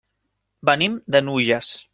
Venim de Nulles.